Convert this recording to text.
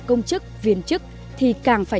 công chức viên chức thì càng phải